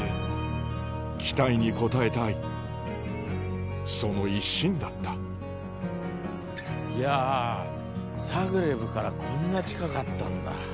期待に応えたいその一心だったいやぁザグレブからこんな近かったんだ。